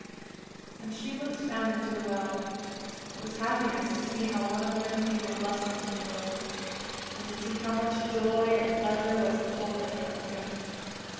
And she looked down into the well; it was happiness to see how one of them became a blessing to the world, and to see how much joy and pleasure was unfolded around him.